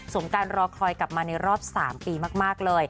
การรอคอยกลับมาในรอบ๓ปีมากเลย